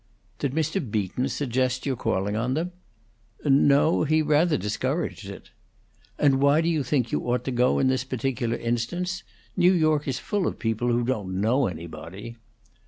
"Did Mr. Beaton suggest your calling on them?" "No; he rather discouraged it." "And why do you think you ought to go in this particular instance? New York is full of people who don't know anybody."